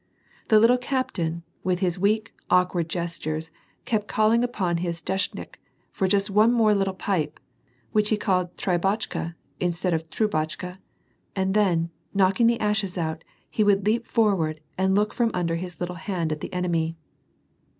The little captain, with his weak, awkward gestures, kept call ing upon his denshchik for "just one more little pipe," which he called trAotckkay instead of trubotchka, and then, knocking the ajihes out, he would leap forward and look from under his lit tle hand at the enemy.